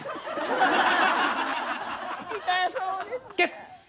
痛そうですね。